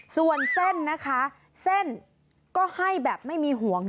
ส่วนเส้นนะคะเส้นก็ให้แบบไม่มีห่วง